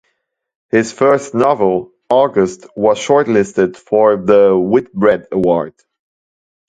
His first novel, "August", was shortlisted for the Whitbread Award.